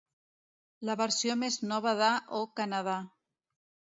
La versió més nova de O Canada!